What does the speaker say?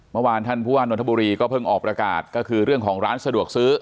เมื่อวานท่านผู้ว่านนทบุรีก็เพิ่งออกประกาศก็คือเรื่องของร้านสะดวกซื้อ